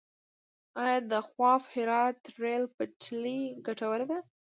آیا د خواف - هرات ریل پټلۍ ګټوره ده؟